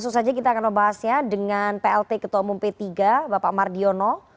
selamat sore mas adi peraetno